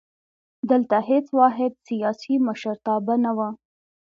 دلته هېڅ واحد سیاسي مشرتابه نه وو.